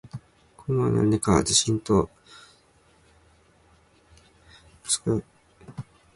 今度は何かズシンと鷲にぶっつかる音がして、突然、私はまっ逆さまに落ちて行くのを感じました。恐ろしい速さで、ほとんど息もできないくらいでした。